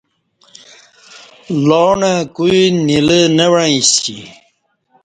لاݨئہ کوی نیلہ نہ و عݩسی